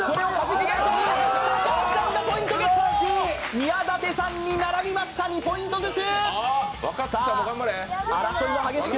宮舘さんに並びました２ポイントずつ。